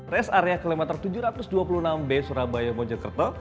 res area kilometer tujuh ratus dua puluh enam b surabaya mojokerto